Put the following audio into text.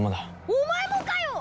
お前もかよ！